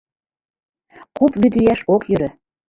Куп вӱд йӱаш ок йӧрӧ.